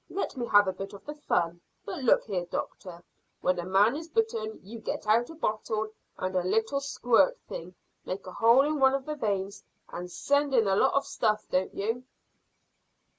Let me have a bit of the fun. But look here, doctor; when a man is bitten you get out a bottle and a little squirt thing, make a hole in one of the veins, and send in a lot of stuff, don't you?"